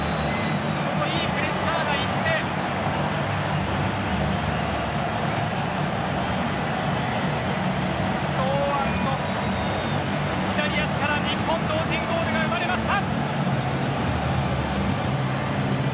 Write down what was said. ここにいいプレッシャーがいって堂安の左足から日本同点ゴールが生まれました。